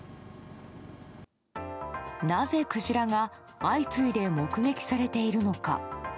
なぜクジラが相次いで目撃されているのか。